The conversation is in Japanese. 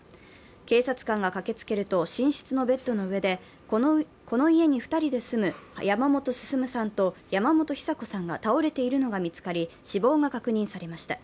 警察官が駆けつけると寝室のベッドの上でこの家に２人で住む山本晋さんと山本久子さんが倒れているのが見つかり、死亡が確認されました。